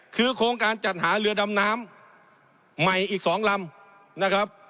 คือโครงการจัดหาเรือดำน้ำใหม่อีก๒ลำนะครับ